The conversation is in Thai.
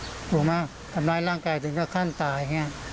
ถูกหรือไม่ทำร้ายร่างกายถึงก็ขั้นตาย